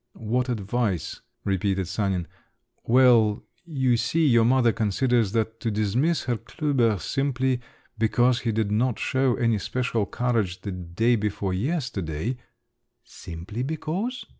"What advice?" repeated Sanin. "Well, you see, your mother considers that to dismiss Herr Klüber simply because he did not show any special courage the day before yesterday …" "Simply because?"